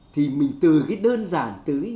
thì mình từ cái đơn giản tới